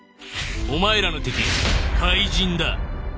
「お前らの敵怪人だ」